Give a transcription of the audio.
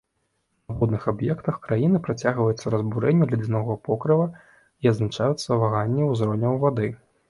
На водных аб'ектах краіны працягваецца разбурэнне ледзянога покрыва і адзначаюцца ваганні ўзроўняў вады.